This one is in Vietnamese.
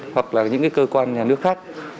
hoặc là những cơ quan nhà nước khác